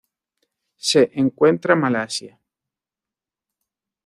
Se encuentra Malasia.